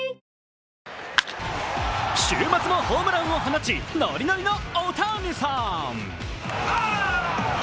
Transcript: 週末もホームランを放ち、ノリノリのオオタニサーン。